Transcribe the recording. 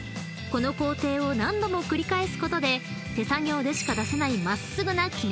［この工程を何度も繰り返すことで手作業でしか出せない］